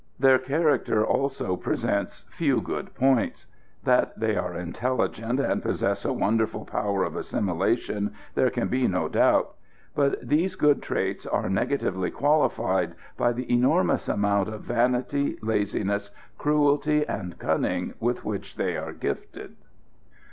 Their character also presents few good points. That they are intelligent and possess a wonderful power of assimilation there can be no doubt, but these good traits are negatively qualified by the enormous amount of vanity, laziness, cruelty and cunning with which they are gifted.